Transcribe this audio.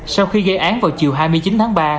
sau khi gây án vào chiều hai mươi chín tháng ba